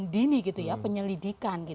dini gitu ya penyelidikan